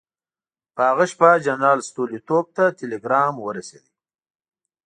په هغه شپه جنرال ستولیتوف ته ټلګرام ورسېد.